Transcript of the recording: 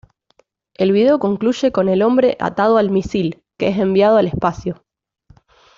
El video concluye con el hombre atado al misil, que es enviado al espacio.